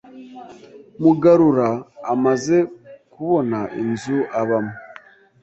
Mugarura amaze kubona inzu abamo,